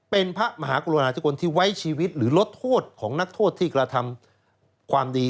เป็นพระมหากรุณาธิกลที่ไว้ชีวิตหรือลดโทษของนักโทษที่กระทำความดี